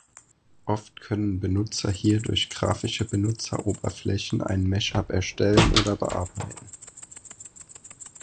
Oft können Benutzer hier durch grafische Benutzeroberflächen ein Mashup erstellen oder bearbeiten.